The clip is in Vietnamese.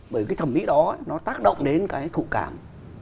bởi cái thẩm mỹ đó nó tác động đến cái thụ cảm